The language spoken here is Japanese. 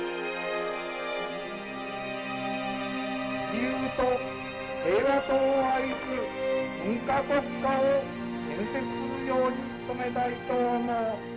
「自由と平和とを愛する文化国家を建設するように努めたいと思う」。